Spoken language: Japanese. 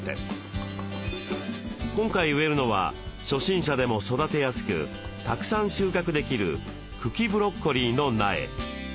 今回植えるのは初心者でも育てやすくたくさん収穫できる茎ブロッコリーの苗。